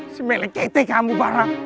si melek ketik kamu bara